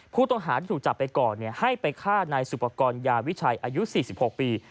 ผู้ต้องหาที่ถูกจับไปก่อนให้ไปฆ่านายสุปกรณ์ยาวิชัยอายุ๔๖ปี